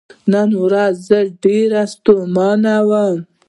نن ورځ زه ډیر ستومان وم .